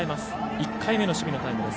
１回目の守備のタイムです。